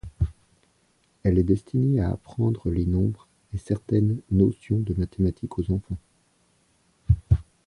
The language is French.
Elle est destinée à apprendre les nombres et certaines notions de mathématiques aux enfants.